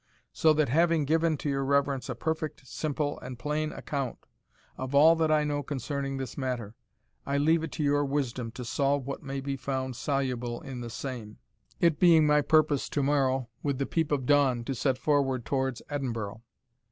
So that, having given to your reverence a perfect, simple, and plain account of all that I know concerning this matter, I leave it to your wisdom to solve what may be found soluble in the same, it being my purpose to morrow, with the peep of dawn, to set forward towards Edinburgh."